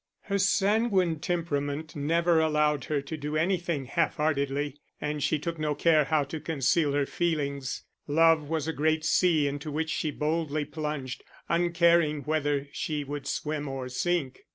Her sanguine temperament never allowed her to do anything half heartedly, and she took no care now to conceal her feelings; love was a great sea into which she boldly plunged, uncaring whether she would swim or sink.